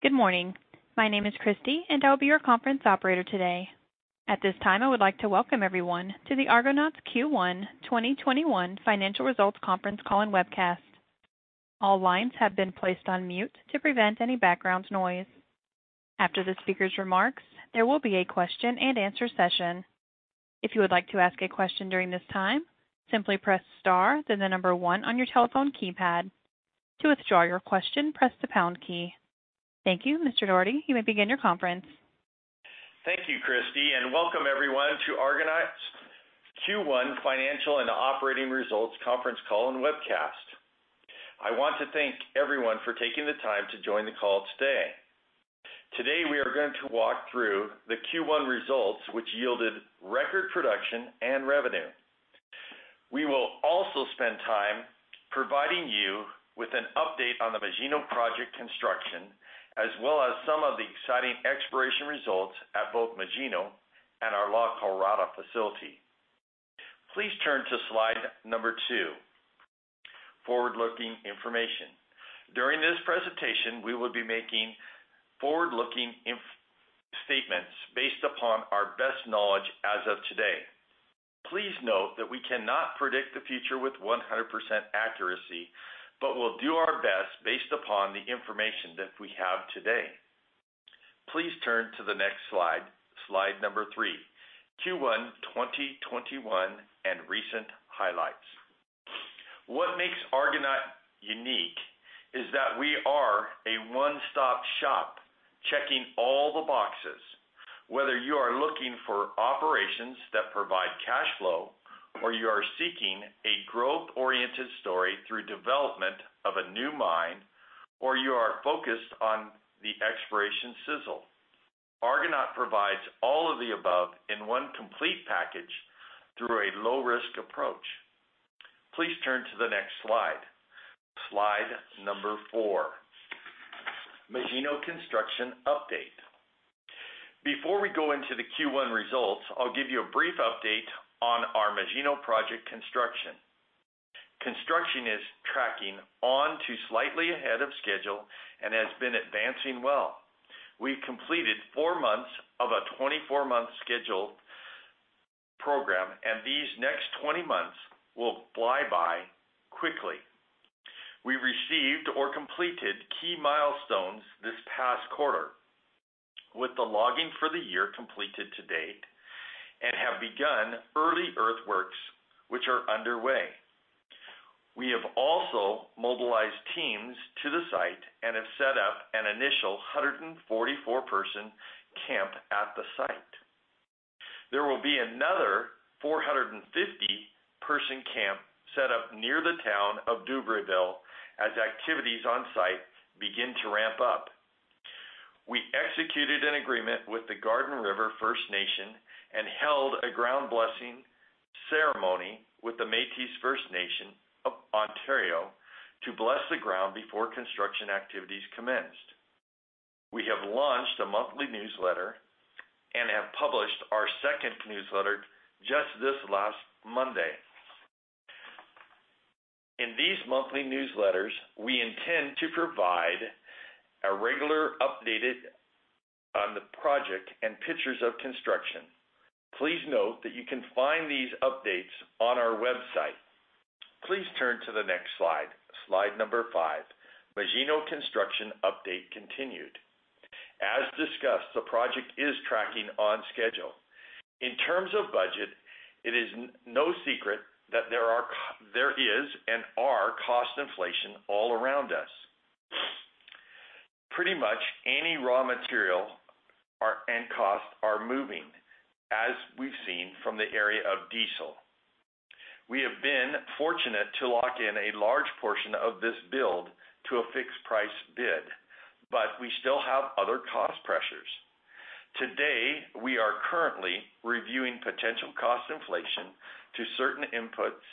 Good morning. My name is Christy, and I will be your conference operator today. At this time, I would like to welcome everyone to the Argonaut Gold's Q1 2021 Financial Results Conference Call and Webcast. All lines have been placed on mute to prevent any background noise. After the speaker's remarks, there will be a question and answer session. If you would like to ask a question during this time, simply press star, then the number one on your telephone keypad. To withdraw your question, press the pound key. Thank you. Mr. Dougherty, you may begin your conference. Thank you, Christy, welcome everyone to Argonaut's Q1 Financial and Operating Results Conference Call and Webcast. I want to thank everyone for taking the time to join the call today. Today, we are going to walk through the Q1 results, which yielded record production and revenue. We will also spend time providing you with an update on the Magino Project construction, as well as some of the exciting exploration results at both Magino and our La Colorada facility. Please turn to slide number two, forward-looking information. During this presentation, we will be making forward-looking statements based upon our best knowledge as of today. Please note that we cannot predict the future with 100% accuracy, but we'll do our best based upon the information that we have today. Please turn to the next slide number three, Q1 2021 and Recent Highlights. What makes Argonaut unique is that we are a one-stop shop, checking all the boxes. Whether you are looking for operations that provide cash flow, or you are seeking a growth-oriented story through development of a new mine, or you are focused on the exploration sizzle. Argonaut provides all of the above in one complete package through a low-risk approach. Please turn to the next slide number four, Magino Construction Update. Before we go into the Q1 results, I'll give you a brief update on our Magino Project construction. Construction is tracking on to slightly ahead of schedule and has been advancing well. We've completed four months of a 24-month schedule program, and these next 20 months will fly by quickly. We received or completed key milestones this past quarter. With the logging for the year completed to date and have begun early earthworks, which are underway. We have also mobilized teams to the site and have set up an initial 144-person camp at the site. There will be another 450-person camp set up near the town of Dubreuilville as activities on site begin to ramp up. We executed an agreement with the Garden River First Nation and held a ground blessing ceremony with the Métis Nation of Ontario to bless the ground before construction activities commenced. We have launched a monthly newsletter and have published our second newsletter just this last Monday. In these monthly newsletters, we intend to provide a regular updated on the project and pictures of construction. Please note that you can find these updates on our website. Please turn to the next slide number five, Magino Construction Update continued. As discussed, the project is tracking on schedule. In terms of budget, it is no secret that there are cost inflation all around us. Pretty much any raw material and costs are moving, as we've seen from the area of diesel. We have been fortunate to lock in a large portion of this build to a fixed price bid, but we still have other cost pressures. Today, we are currently reviewing potential cost inflation to certain inputs,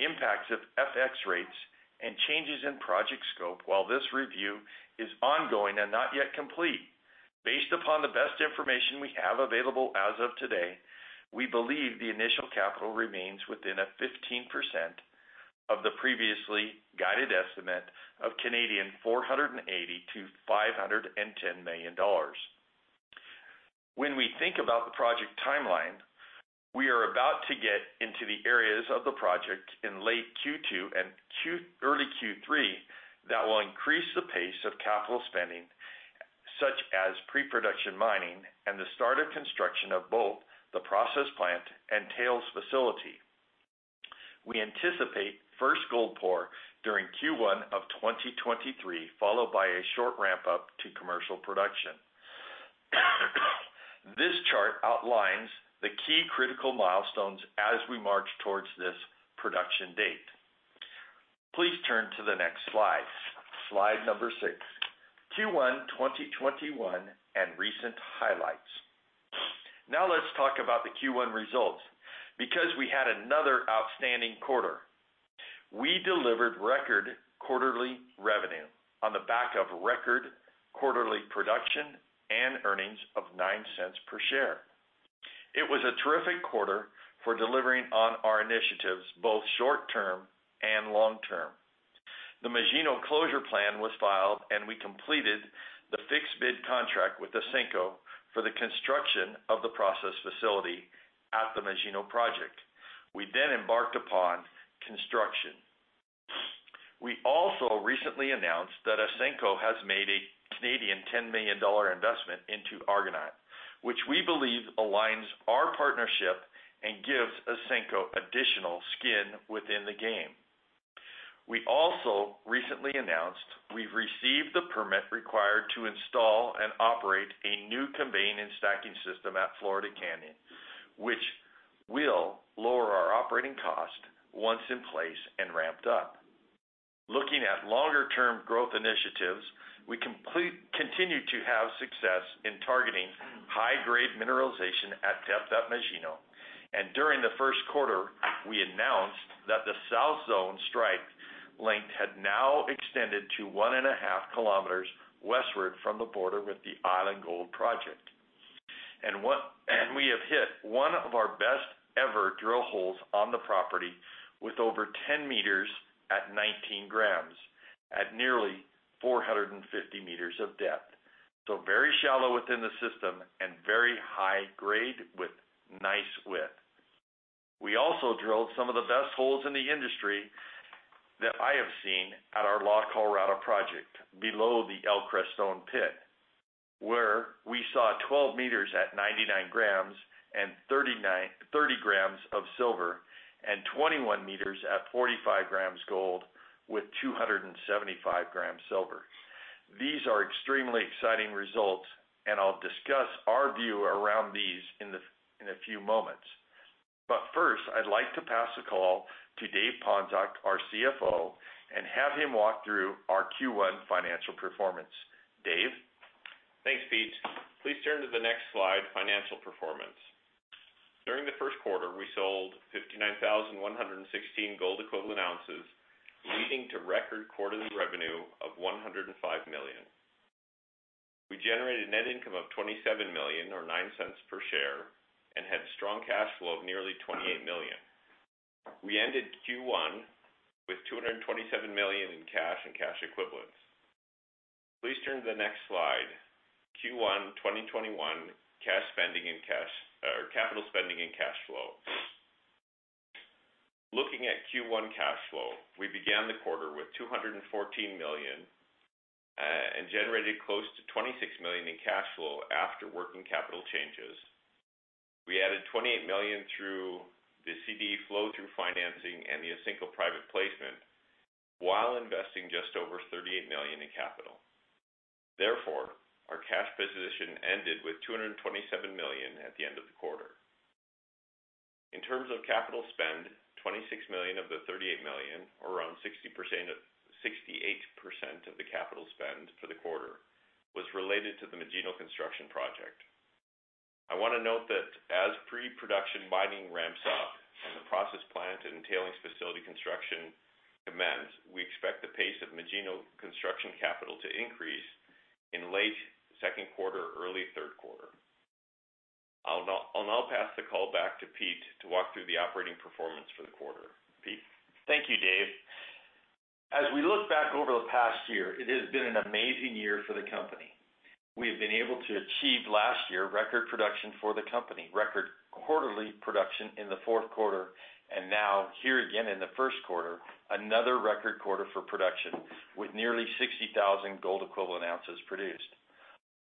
impacts of FX rates, and changes in project scope while this review is ongoing and not yet complete. Based upon the best information we have available as of today, we believe the initial capital remains within a 15% of the previously guided estimate of Canadian 480 million-510 million Canadian dollars. When we think about the project timeline, we are about to get into the areas of the project in late Q2 and early Q3 that will increase the pace of capital spending, such as pre-production mining and the start of construction of both the process plant and tails facility. We anticipate first gold pour during Q1 of 2023, followed by a short ramp-up to commercial production. This chart outlines the key critical milestones as we march towards this production date. Please turn to the next slide number 6, Q1 2021 and Recent Highlights. Let's talk about the Q1 results, because we had another outstanding quarter. We delivered record quarterly revenue on the back of record quarterly production and earnings of 0.09 per share. It was a terrific quarter for delivering on our initiatives, both short term and long term. The Magino closure plan was filed. We completed the fixed price bid contract with Ausenco for the construction of the process facility at the Magino project. We embarked upon construction. We also recently announced that Ausenco has made a 10 million Canadian dollars investment into Argonaut, which we believe aligns our partnership and gives Ausenco additional skin within the game. We also recently announced we've received the permit required to install and operate a new conveyance stacking system at Florida Canyon, which will lower our operating cost once in place and ramped up. Looking at longer term growth initiatives, we continue to have success in targeting high-grade mineralization at depth at Magino. During the first quarter, we announced that the South Zone strike length had now extended to one and a half kilometers westward from the border with the Island Gold project. We have hit one of our best ever drill holes on the property with over 10 m at 19 g at nearly 450 m of depth. Very shallow within the system and very high grade with nice width. We also drilled some of the best holes in the industry that I have seen at our La Colorada project below the El Creston pit, where we saw 12 m at 99 g and 30 g of silver, and 21 m at 45 g gold with 275 g silver. These are extremely exciting results, and I'll discuss our view around these in a few moments. First, I'd like to pass the call to Dave Ponczoch, our CFO, and have him walk through our Q1 financial performance. Dave? Thanks, Pete. Please turn to the next slide, financial performance. During the first quarter, we sold 59,116 gold equivalent ounces, leading to record quarterly revenue of 105 million. We generated net income of 27 million or 0.09 per share, had strong cash flow of nearly 28 million. We ended Q1 with 227 million in cash and cash equivalents. Please turn to the next slide, Q1 2021 capital spending and cash flow. Looking at Q1 cash flow, we began the quarter with 214 million, generated close to 26 million in cash flow after working capital changes. We added 28 million through the CDE flow-through financing and the Ausenco private placement while investing just over 38 million in capital. Therefore, our cash position ended with 227 million at the end of the quarter. In terms of capital spend, 26 million of the 38 million, or around 68% of the capital spend for the quarter, was related to the Magino construction project. I want to note that as pre-production mining ramps up and the process plant and tailings facility construction commences, we expect the pace of Magino construction capital to increase in late second quarter or early third quarter. I'll now pass the call back to Pete to walk through the operating performance for the quarter. Pete? Thank you, Dave. As we look back over the past year, it has been an amazing year for the company. We have been able to achieve last year record production for the company, record quarterly production in the fourth quarter. Now here again in the first quarter, another record quarter for production with nearly 60,000 gold equivalent ounces produced.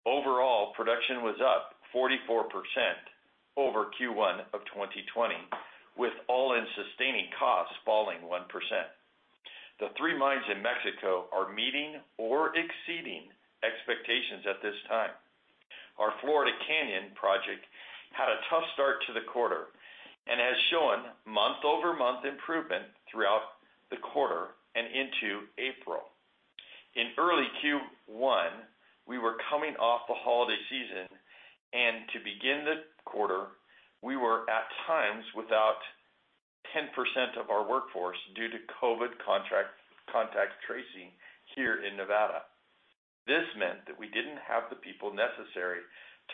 Overall, production was up 44% over Q1 of 2020, with all-in sustaining costs falling 1%. The three mines in Mexico are meeting or exceeding expectations at this time. Our Florida Canyon project had a tough start to the quarter and has shown month-over-month improvement throughout the quarter and into April. In early Q1, we were coming off the holiday season, and to begin the quarter, we were at times without 10% of our workforce due to COVID contact tracing here in Nevada. This meant that we didn't have the people necessary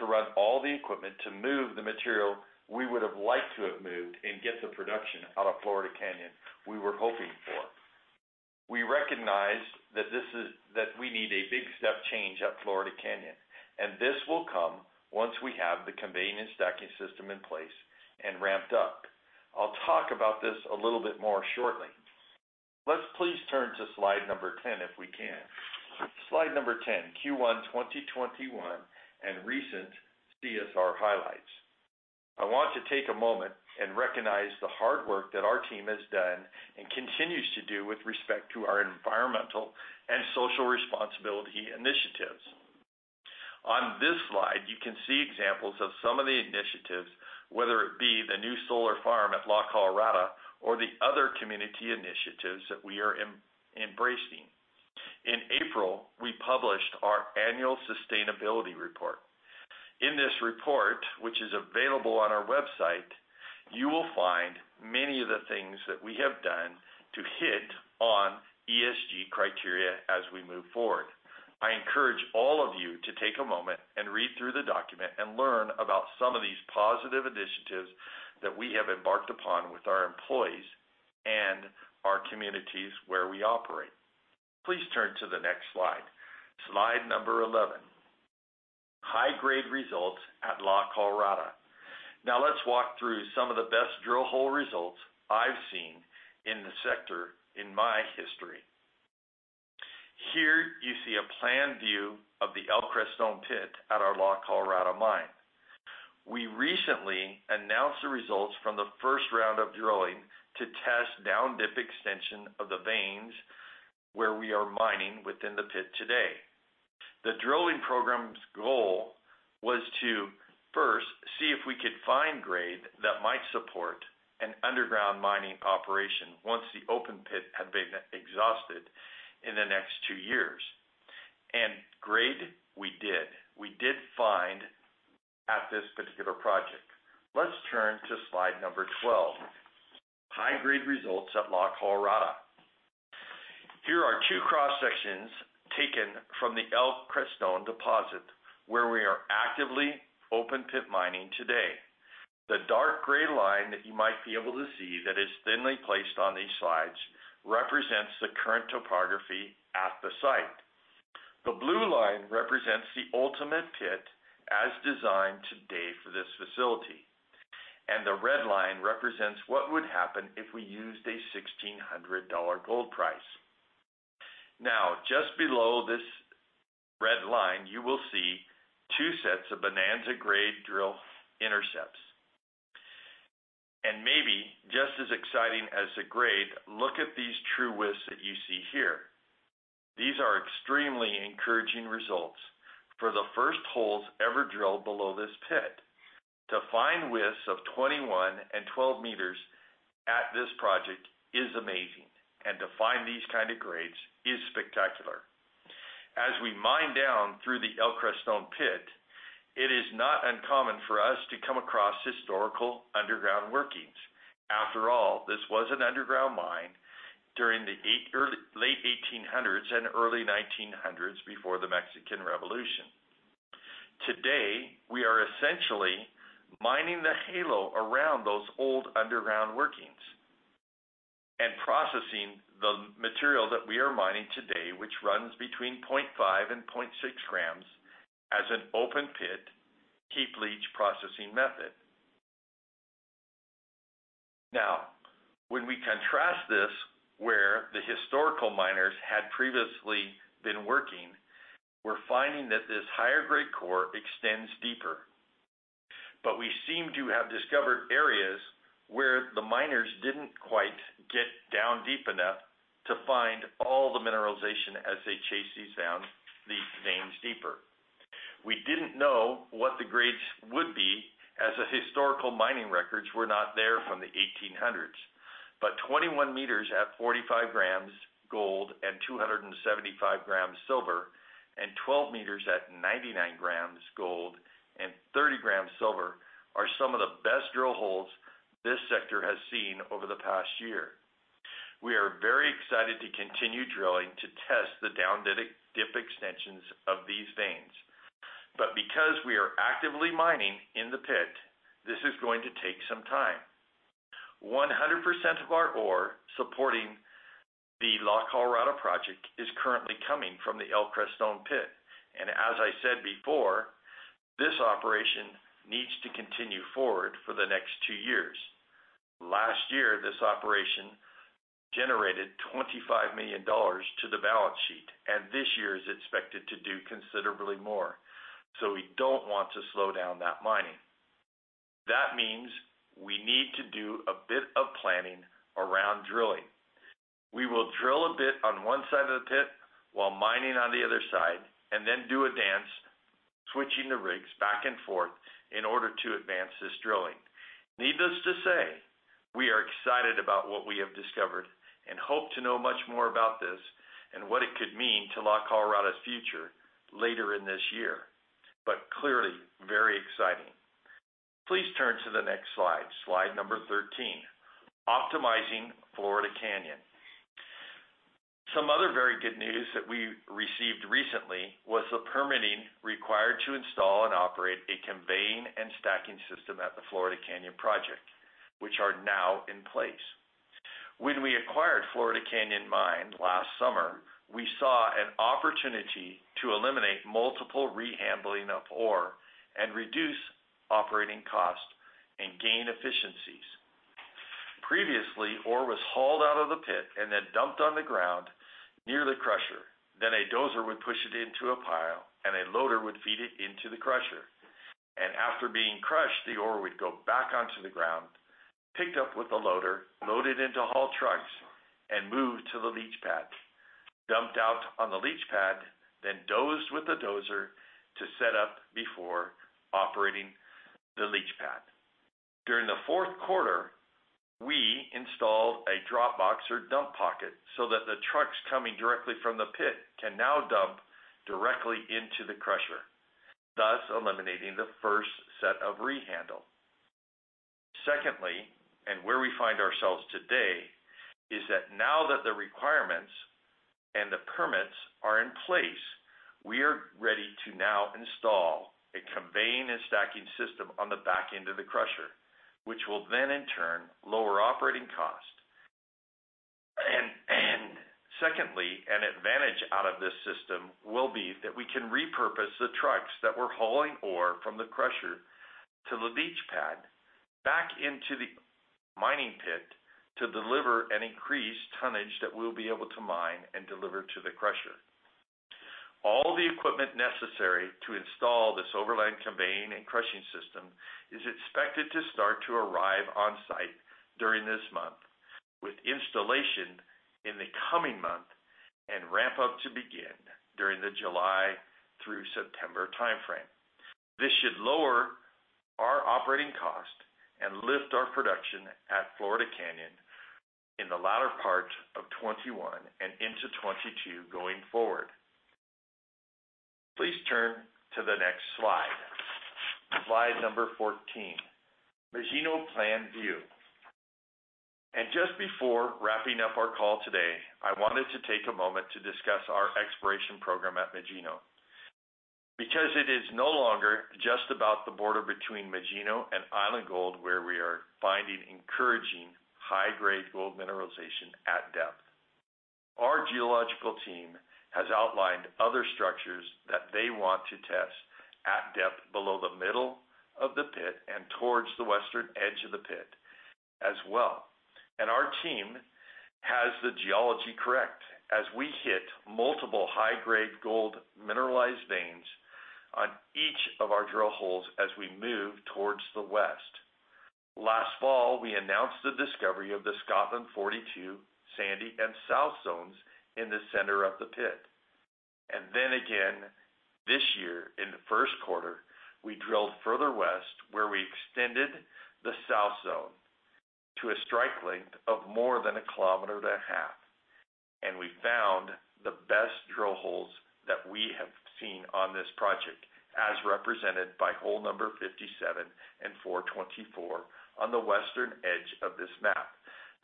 to run all the equipment to move the material we would have liked to have moved and get the production out of Florida Canyon we were hoping for. We recognized that we need a big step change at Florida Canyon, and this will come once we have the conveying and stacking system in place and ramped up. I'll talk about this a little bit more shortly. Let's please turn to slide number 10, if we can. Slide number 10, Q1 2021 and recent CSR highlights. I want to take a moment and recognize the hard work that our team has done and continues to do with respect to our environmental and social responsibility initiatives. On this slide, you can see examples of some of the initiatives, whether it be the new solar farm at La Colorada or the other community initiatives that we are embracing. In April, we published our annual sustainability report. In this report, which is available on our website, you will find many of the things that we have done to hit on criteria as we move forward. I encourage all of you to take a moment and read through the document and learn about some of these positive initiatives that we have embarked upon with our employees and our communities where we operate. Please turn to the next slide. Slide number 11. High-grade results at La Colorada. Now let's walk through some of the best drill hole results I've seen in the sector in my history. Here, you see a plan view of the El Creston pit at our La Colorada mine. We recently announced the results from the first round of drilling to test down-dip extension of the veins where we are mining within the pit today. The drilling program's goal was to first, see if we could find grade that might support an underground mining operation once the open pit had been exhausted in the next two years. Grade, we did. We did find at this particular project. Let's turn to slide number 12. High-grade results at La Colorada. Here are two cross-sections taken from the El Creston deposit where we are actively open pit mining today. The dark gray line that you might be able to see that is thinly placed on these slides represents the current topography at the site. The blue line represents the ultimate pit as designed to date for this facility, and the red line represents what would happen if we used a $1,600 gold price. Just below this red line, you will see two sets of bonanza grade drill intercepts. Maybe just as exciting as the grade, look at these true widths that you see here. These are extremely encouraging results for the first holes ever drilled below this pit. To find widths of 21 and 12 meters at this project is amazing, and to find these kind of grades is spectacular. As we mine down through the El Creston pit, it is not uncommon for us to come across historical underground workings. After all, this was an underground mine during the late 1800s and early 1900s before the Mexican Revolution. Today, we are essentially mining the halo around those old underground workings and processing the material that we are mining today, which runs between 0.5 and 0.6 g as an open pit heap leach processing method. When we contrast this where the historical miners had previously been working, we're finding that this higher grade core extends deeper. We seem to have discovered areas where the miners didn't quite get down deep enough to find all the mineralization as they chased these veins deeper. We didn't know what the grades would be, as the historical mining records were not there from the 1800s. 21 m at 45 g gold and 275 g silver, and 12 meters at 99 g gold and 30 g silver are some of the best drill holes this sector has seen over the past year. We are very excited to continue drilling to test the down-dip extensions of these veins. Because we are actively mining in the pit, this is going to take some time. 100% of our ore supporting the La Colorada project is currently coming from the El Creston pit, and as I said before, this operation needs to continue forward for the next 2 years. Last year, this operation generated 25 million dollars to the balance sheet, and this year it's expected to do considerably more. We don't want to slow down that mining. That means we need to do a bit of planning around drilling. We will drill a bit on one side of the pit while mining on the other side, and then do a dance, switching the rigs back and forth in order to advance this drilling. Needless to say, we are excited about what we have discovered and hope to know much more about this and what it could mean to La Colorada's future later in this year. Clearly very exciting. Please turn to the next slide. Slide number 13. Optimizing Florida Canyon. Some other very good news that we received recently was the permitting required to install and operate a conveying and stacking system at the Florida Canyon Project, which are now in place. When we acquired Florida Canyon Mine last summer, we saw an opportunity to eliminate multiple re-handling of ore and reduce operating costs and gain efficiencies. Previously, ore was hauled out of the pit and then dumped on the ground near the crusher. A dozer would push it into a pile, and a loader would feed it into the crusher. After being crushed, the ore would go back onto the ground, picked up with a loader, loaded into haul trucks, and moved to the leach pad, dumped out on the leach pad, then dozed with a dozer to set up before operating the leach pad. During the fourth quarter, we installed a dropbox or dump pocket so that the trucks coming directly from the pit can now dump directly into the crusher, thus eliminating the first set of re-handle. Secondly, where we find ourselves today is that now that the requirements and the permits are in place, we are ready to now install a conveying and stacking system on the back end of the crusher, which will then in turn lower operating cost. Secondly, an advantage out of this system will be that we can repurpose the trucks that were hauling ore from the crusher to the leach pad back into the mining pit to deliver an increased tonnage that we'll be able to mine and deliver to the crusher. All the equipment necessary to install this overland conveying and crushing system is expected to start to arrive on site during this month, with installation in the coming month and ramp up to begin during the July through September timeframe. This should lower our operating cost and lift our production at Florida Canyon in the latter part of 2021 and into 2022 going forward. Please turn to the next slide. Slide number 14, Magino plan view. Just before wrapping up our call today, I wanted to take a moment to discuss our exploration program at Magino. It is no longer just about the border between Magino and Island Gold where we are finding encouraging high-grade gold mineralization at depth. Our geological team has outlined other structures that they want to test at depth below the middle of the pit and towards the western edge of the pit as well. Our team has the geology correct, as we hit multiple high-grade gold mineralized veins on each of our drill holes as we move towards the west. Last fall, we announced the discovery of the Scotland 42, Sandy, and South Zones in the center of the pit. Again, this year in the first quarter, we drilled further west where we extended the South Zone to a strike length of more than a kilometer and a half. We found the best drill holes that we have seen on this project, as represented by hole number 57 and 424 on the western edge of this map.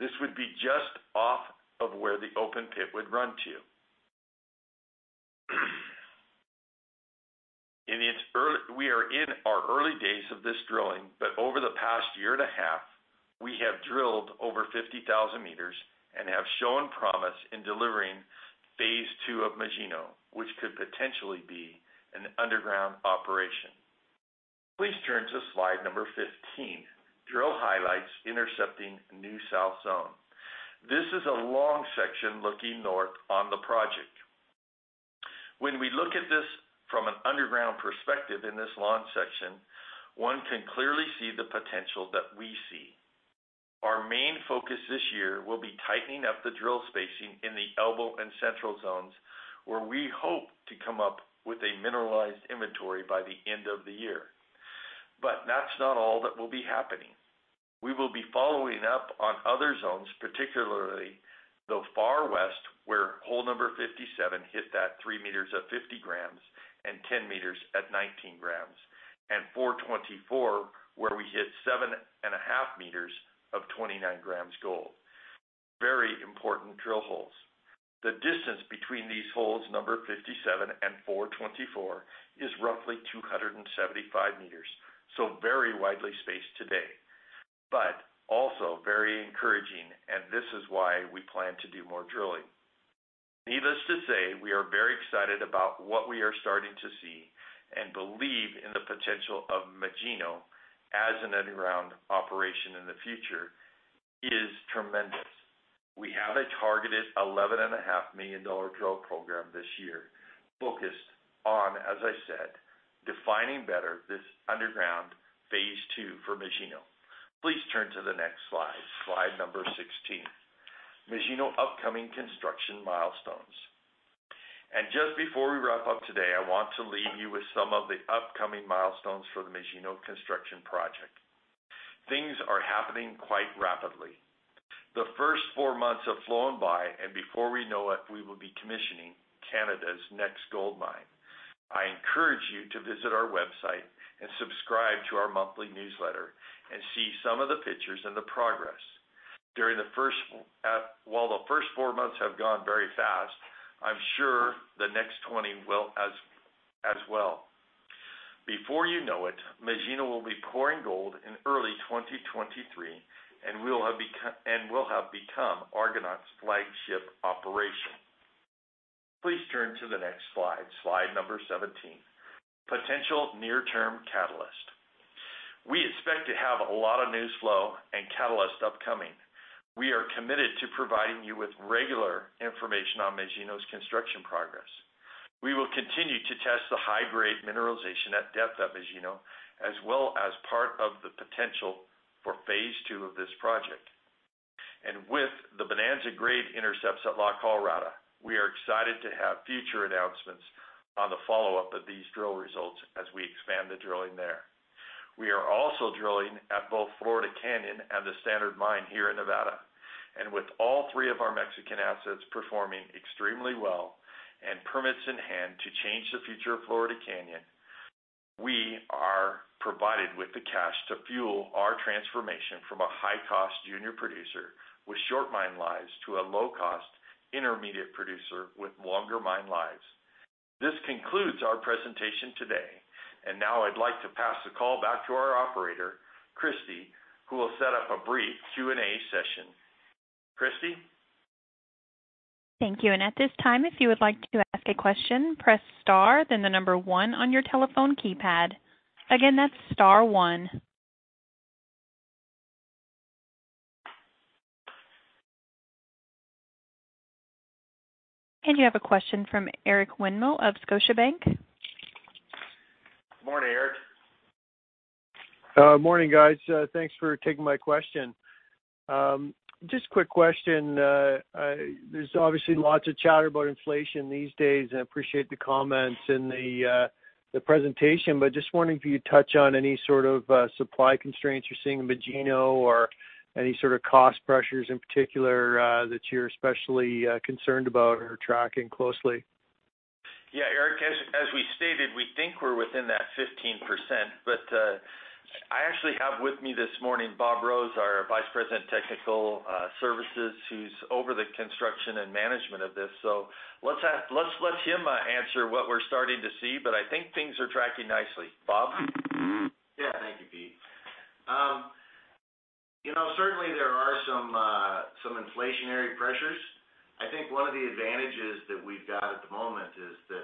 This would be just off of where the open pit would run to. We are in our early days of this drilling, but over the past year and a half, we have drilled over 50,000 m and have shown promise in delivering phase II of Magino, which could potentially be an underground operation. Please turn to slide number 15, drill highlights intercepting new South Zone. This is a long section looking north on the project. When we look at this from an underground perspective in this long section, one can clearly see the potential that we see. Our main focus this year will be tightening up the drill spacing in the Elbow Zone and Central Zones, where we hope to come up with a mineralized inventory by the end of the year. That's not all that will be happening. We will be following up on other zones, particularly the far west, where hole number 57 hit that three meters at 50 g and 10 m at 19 g, and 424, where we hit 7.5 m of 29 g gold. Very important drill holes. The distance between these holes, number 57 and 424, is roughly 275 m, very widely spaced today. Also very encouraging, and this is why we plan to do more drilling. Needless to say, we are very excited about what we are starting to see and believe in the potential of Magino as an underground operation in the future is tremendous. We have a targeted 11.5 million dollar drill program this year focused on, as I said, defining better this underground phase II for Magino. Please turn to the next slide number 16. Magino upcoming construction milestones. Just before we wrap up today, I want to leave you with some of the upcoming milestones for the Magino construction project. Things are happening quite rapidly. The first four months have flown by, and before we know it, we will be commissioning Canada's next gold mine. I encourage you to visit our website and subscribe to our monthly newsletter and see some of the pictures and the progress. While the first four months have gone very fast, I'm sure the next 20 will as well. Before you know it, Magino will be pouring gold in early 2023 and will have become Argonaut Gold's flagship operation. Please turn to the next slide number 17. Potential near-term catalyst. We expect to have a lot of news flow and catalyst upcoming. We are committed to providing you with regular information on Magino's construction progress. We will continue to test the high-grade mineralization at depth at Magino, as well as part of the potential for phase II of this project. With the bonanza-grade intercepts at La Colorada, we are excited to have future announcements on the follow-up of these drill results as we expand the drilling there. We are also drilling at both Florida Canyon and the Standard Mine here in Nevada. With all three of our Mexican assets performing extremely well and permits in hand to change the future of Florida Canyon, we are provided with the cash to fuel our transformation from a high-cost junior producer with short mine lives to a low-cost intermediate producer with longer mine lives. This concludes our presentation today. Now I'd like to pass the call back to our operator, Christy, who will set up a brief Q&A session. Christy? Thank you. At this time, if you would like to ask a question, press star, then the number one on your telephone keypad. Again, that's star one. You have a question from Eric Winmill of Scotiabank. Morning, Eric. Morning, guys. Thanks for taking my question. Just quick question. There's obviously lots of chatter about inflation these days, and I appreciate the comments in the presentation, but just wondering if you'd touch on any sort of supply constraints you're seeing in Magino or any sort of cost pressures in particular, that you're especially concerned about or tracking closely? Yeah, Eric, as we stated, we think we're within that 15%, but I actually have with me this morning, Bob Rose, our Vice President of Technical Services, who's over the construction and management of this. Let's him answer what we're starting to see. I think things are tracking nicely. Bob? Yeah. Thank you, Pete. Certainly there are some inflationary pressures. I think one of the advantages that we've got at the moment is that,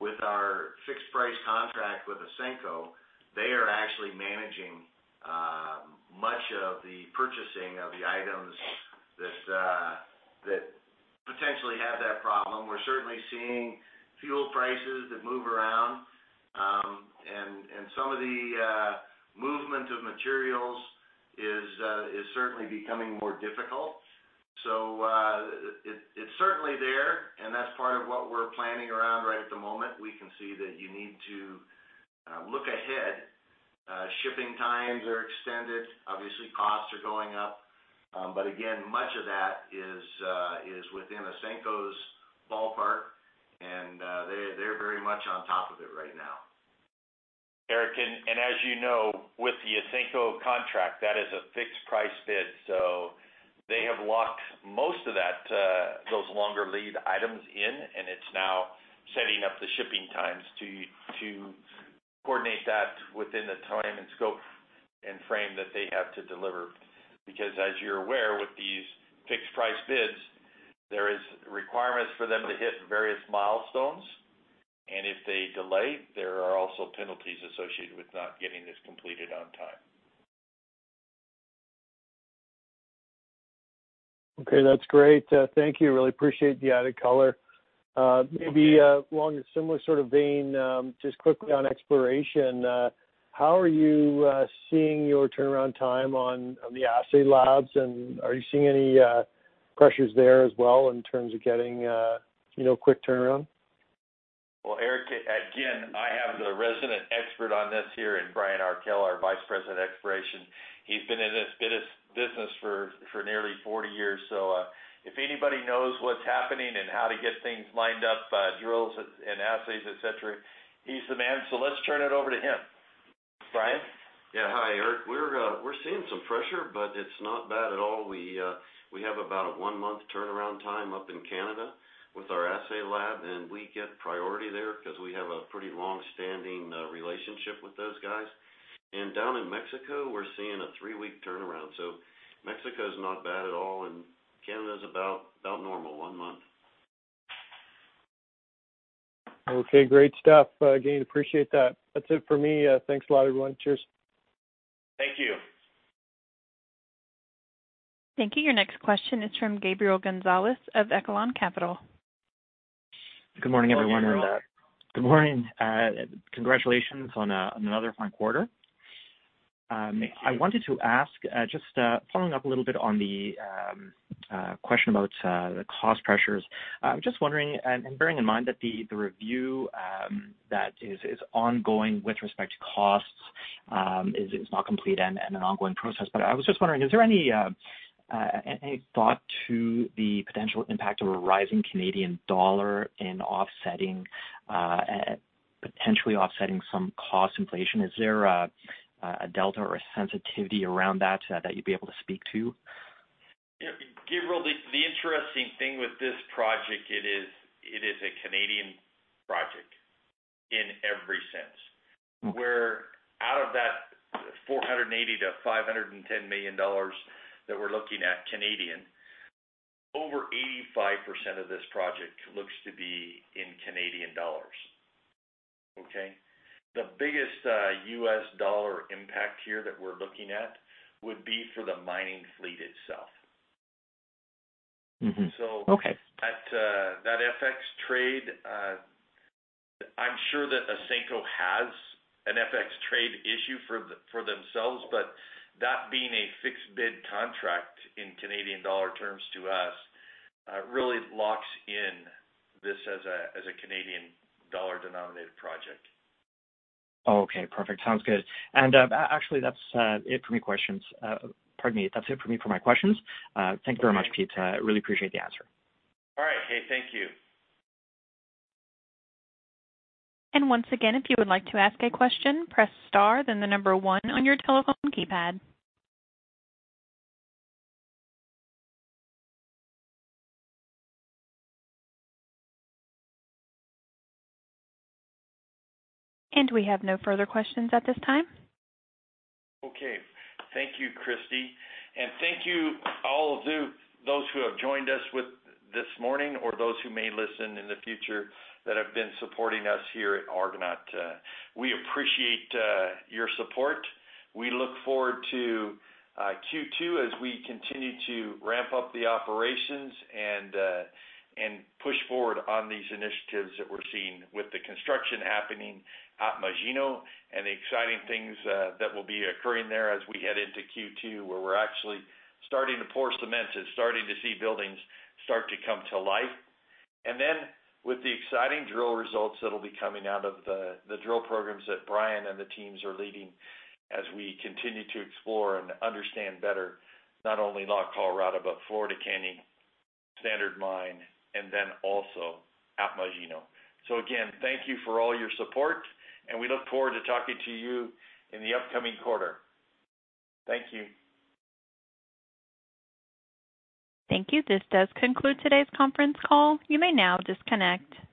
with our fixed price contract with Ausenco, they are actually managing much of the purchasing of the items that potentially have that problem. We're certainly seeing fuel prices that move around, and some of the movement of materials is certainly becoming more difficult. It's certainly there, and that's part of what we're planning around right at the moment. We can see that you need to look ahead. Shipping times are extended. Obviously, costs are going up. Again, much of that is within Ausenco's ballpark, and they're very much on top of it right now. Eric, as you know, with the Ausenco contract, that is a fixed price bid. They have locked most of that, those longer lead items in, and it's now setting up the shipping times to coordinate that within the time and scope and frame that they have to deliver. As you're aware, with these fixed price bids, there is requirements for them to hit various milestones, and if they delay, there are also penalties associated with not getting this completed on time. Okay. That's great. Thank you. Really appreciate the added color. Along a similar sort of vein, just quickly on exploration, how are you seeing your turnaround time on the assay labs, and are you seeing any pressures there as well in terms of getting quick turnaround? Eric, again, I have the resident expert on this here in Brian Arkell, our Vice President of Exploration. He's been in this business for nearly 40 years. If anybody knows what's happening and how to get things lined up, drills and assays, et cetera, he's the man. Let's turn it over to him. Brian? Yeah. Hi, Eric. We're seeing some pressure, but it's not bad at all. We have about a one-month turnaround time up in Canada with our assay lab, and we get priority there because we have a pretty long-standing relationship with those guys. Down in Mexico, we're seeing a three-week turnaround. Mexico's not bad at all, and Canada's about normal, one month. Okay. Great stuff. Again, appreciate that. That's it for me. Thanks a lot, everyone. Cheers. Thank you. Thank you. Your next question is from Gabriel Gonzalez of Echelon Capital. Good morning, Gabriel. Good morning. Congratulations on another fine quarter. I wanted to ask, just following up a little bit on the question about the cost pressures. I am just wondering and, bearing in mind that the review that is ongoing with respect to costs is not complete and an ongoing process. I was just wondering, is there any thought to the potential impact of a rising Canadian dollar in potentially offsetting some cost inflation? Is there a delta or a sensitivity around that you would be able to speak to? Gabriel, the interesting thing with this project, it is a Canadian project in every sense. Out of that 480 million-510 million dollars that we're looking at Canadian, over 85% of this project looks to be in Canadian dollars. Okay? The biggest US dollar impact here that we're looking at would be for the mining fleet itself. Mm-hmm. Okay. That FX trade, I am sure that Ausenco has an FX trade issue for themselves, but that being a fixed bid contract in CAD terms to us, really locks in this as a CAD denominated project. Okay, perfect. Sounds good. Actually, that's it for my questions. Thank you very much, Pete. Really appreciate the answer. All right. Hey, thank you. Once again, if you would like to ask a question, press star, then the number one on your telephone keypad. We have no further questions at this time. Okay. Thank you, Christy, thank you all of those who have joined us this morning or those who may listen in the future that have been supporting us here at Argonaut. We appreciate your support. We look forward to Q2 as we continue to ramp up the operations and push forward on these initiatives that we're seeing with the construction happening at Magino and the exciting things that will be occurring there as we head into Q2, where we're actually starting to pour cement and starting to see buildings start to come to life. With the exciting drill results that'll be coming out of the drill programs that Brian and the teams are leading as we continue to explore and understand better, not only La Colorada, but Florida Canyon, Standard Mine, and then also at Magino. Again, thank you for all your support, and we look forward to talking to you in the upcoming quarter. Thank you. Thank you. This does conclude today's conference call. You may now disconnect.